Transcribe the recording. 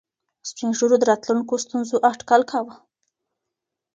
سپین ږیرو د راتلونکو ستونزو اټکل کاوه.